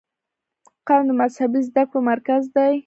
قم د مذهبي زده کړو مرکز دی.